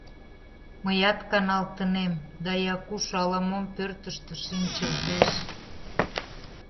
Мыят каналтынем, да Якуш ала-мом пӧртыштӧ шинчылтеш.